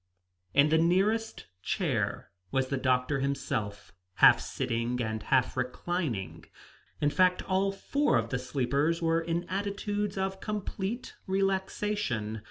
In the nearest chair was the doctor himself, half sitting and half reclining; in fact, all four of the sleepers were in attitudes of complete relaxation.